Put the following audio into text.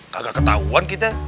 kagak ketahuan kita